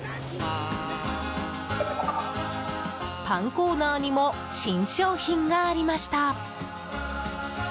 パンコーナーにも新商品がありました。